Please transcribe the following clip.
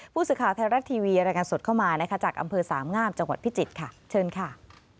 ผู้สื่อข่าวไทยรัฐทีวีรายงานสดเข้ามานะคะจากอำเภอสามงามจังหวัดพิจิตรค่ะเชิญค่ะ